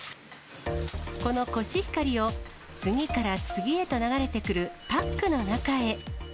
このコシヒカリを次から次へと流れてくるパックの中へ。